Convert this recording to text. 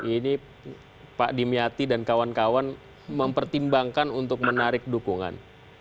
ini pak dimyati dan kawan kawan mempertimbangkan untuk menarik dukungan